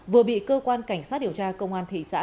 vừa bị cơ quan cảnh sát điều tra công an thị xã